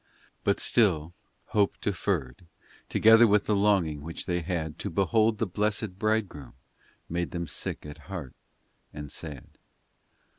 8, 284 POEMS But still, hope deferred, together With the longing which they had To behold the promised Bridegroom, Made them sick at heart, and sad.